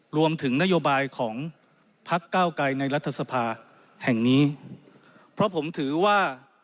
รวมถึงนโยบายของพักเก้าไกรในรัฐสภาแห่งนี้เพราะผมถือว่า